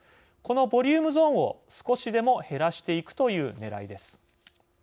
このボリュームゾーンを少しでも減らしていくというねらいです。